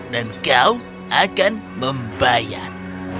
dan kau akan membayar